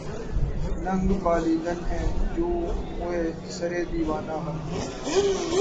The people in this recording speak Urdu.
ننگ بالیدن ہیں جوں موئے سرِ دیوانہ ہم